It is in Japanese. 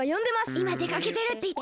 いまでかけてるっていって！